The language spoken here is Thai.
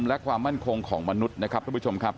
และความมั่นคงของมนุษย์นะครับทุกผู้ชมครับ